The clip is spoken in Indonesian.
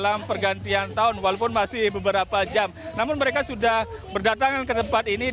apakah erupsi gunung agung kemarin